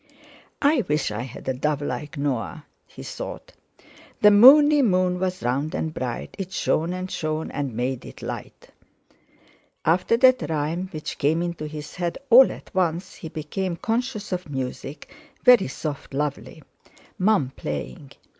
'I wish I had a dove like Noah!' he thought. "The moony moon was round and bright, It shone and shone and made it light." After that rhyme, which came into his head all at once, he became conscious of music, very soft lovely! Mum playing!